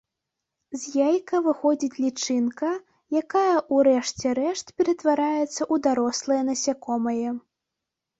З яйка выходзіць лічынка, якая ў рэшце рэшт ператвараецца ў дарослае насякомае.